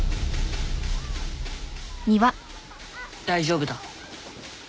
大丈夫だ。